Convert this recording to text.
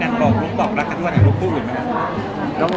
อเจมส์ออกไว้กับท่านเดิม